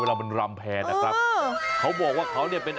เวลามันรำแพรนะครับเขาบอกว่าเขาเนี่ยเป็น